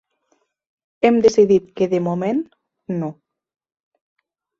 Hem decidit que de moment No.